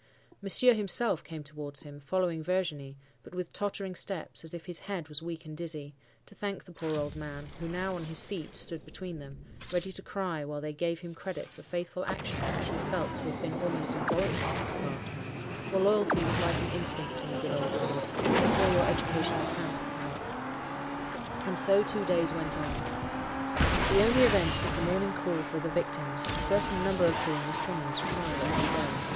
Monsieur himself came towards him, following Virginie, but with tottering steps, as if his head was weak and dizzy, to thank the poor old man, who now on his feet, stood between them, ready to cry while they gave him credit for faithful actions which he felt to have been almost involuntary on his part,—for loyalty was like an instinct in the good old days, before your educational cant had come up. And so two days went on. The only event was the morning call for the victims, a certain number of whom were summoned to trial every day.